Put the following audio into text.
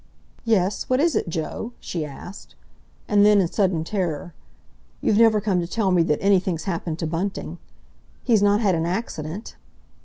"Yes, what is it, Joe?" she asked. And then, in sudden terror, "You've never come to tell me that anything's happened to Bunting? He's not had an accident?"